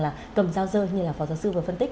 là cầm dao rơi như là phó giáo sư vừa phân tích